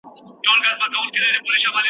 که تعلیم ارزونه ولري، نیمګړتیا نه پټېږي.